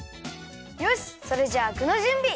よしっそれじゃあぐのじゅんび！